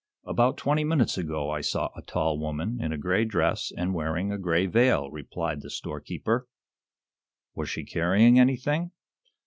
"About twenty minutes ago I saw a tall woman, in a gray dress and wearing a gray veil," replied the storekeeper. "Was she carrying anything?"